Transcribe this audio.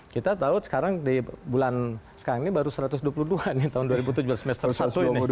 kita tahu sekarang di bulan sekarang ini baru satu ratus dua puluh dua nih tahun dua ribu tujuh belas semester satu ini